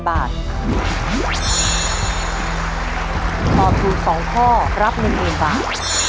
ถ้าตอบถูกสองข้อรับ๑๐๐๐บาท